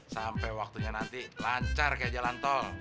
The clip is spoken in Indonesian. sampai waktunya nanti lancar kayak jalan tol